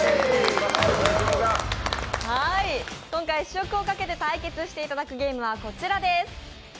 今回試食をかけて対決していただくゲームはこちらです。